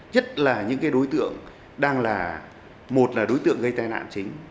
nhất là những đối tượng đang là một là đối tượng gây tai nạn chính